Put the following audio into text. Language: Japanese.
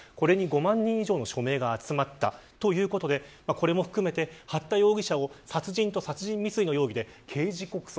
これも含めて八田容疑者を殺人と殺人未遂の容疑で刑事告訴。